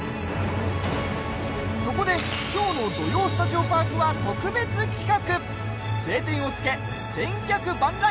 そこで、きょうの「土曜スタジオパーク」は特別企画。